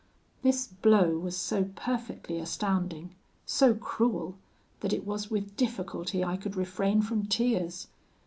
"This blow was so perfectly astounding, so cruel, that it was with difficulty I could refrain from tears.